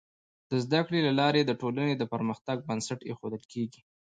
د زده کړې له لارې د ټولنې د پرمختګ بنسټ ایښودل کيږي.